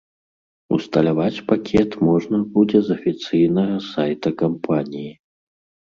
Усталяваць пакет можна будзе з афіцыйнага сайта кампаніі.